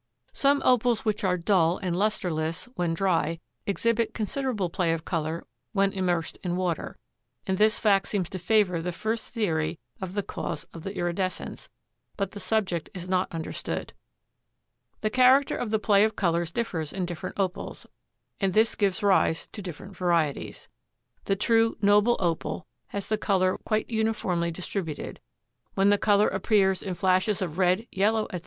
Some Opals which are dull and lusterless when dry exhibit considerable play of color when immersed in water, and this fact seems to favor the first theory of the cause of the iridescence, but the subject is not understood. The character of the play of colors differs in different Opals, and this gives rise to different varieties. The true noble Opal has the color quite uniformly distributed. When the color appears in flashes of red, yellow, etc.